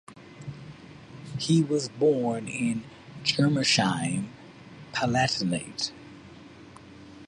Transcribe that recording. He was born in Germersheim, Palatinate.